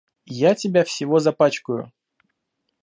Я тебя всего запачкаю.